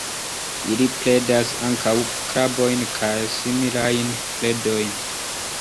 Ili predas ankaŭ krabojn kaj similajn predojn.